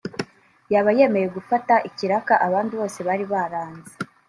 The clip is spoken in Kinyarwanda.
yaba yemeye gufata ikiraka abandi bose bari baranze